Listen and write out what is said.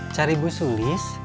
cari bu sulis